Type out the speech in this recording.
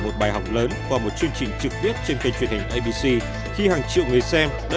một bài học lớn qua một chương trình trực tiếp trên kênh truyền hình abc khi hàng triệu người xem đã